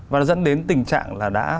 và dẫn đến tình trạng là đã